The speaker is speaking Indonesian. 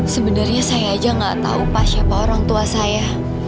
sebenarnya saya aja nggak tahu pak siapa orang tua saya